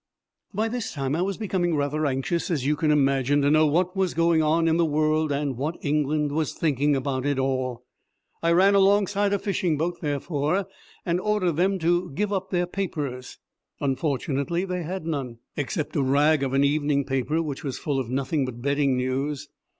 By this time I was becoming rather anxious, as you can imagine, to know what was going on in the world and what England was thinking about it all. I ran alongside a fishing boat, therefore, and ordered them to give up their papers. Unfortunately they had none, except a rag of an evening paper, which was full of nothing but betting news.